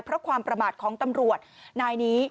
เพราะความประมาทของตำรวจนายนี้